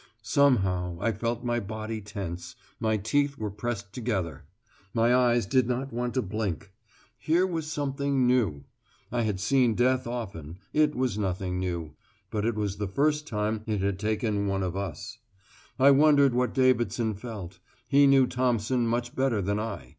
Somehow I felt my body tense; my teeth were pressed together; my eyes did not want to blink. Here was something new. I had seen death often: it was nothing new. But it was the first time it had taken one of us. I wondered what Davidson felt; he knew Thompson much better than I.